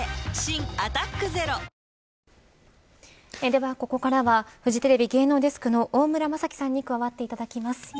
では、ここからはフジテレビ芸能デスクの大村さんに加わっていただきます。